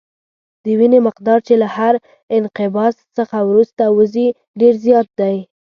د وینې مقدار چې له هر انقباض څخه وروسته وځي ډېر زیات دی.